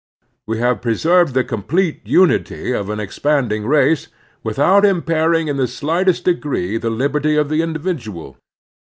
We have preserved the complete tmity of an expanding race without impairing in the slightest degree the lib erty of the individual.